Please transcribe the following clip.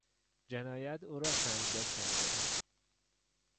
جنایت او را سنگدل کرده بود.